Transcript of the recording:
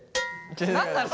何なの？